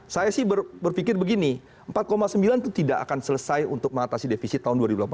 saya sih berpikir begini empat sembilan itu tidak akan selesai untuk mengatasi defisit tahun dua ribu delapan belas